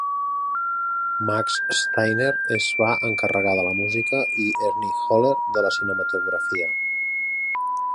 Max Steiner es va encarregar de la música i Ernie Haller de la cinematografia.